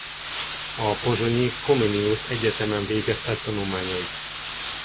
A pozsonyi Comenius Egyetemen végezte tanulmányait.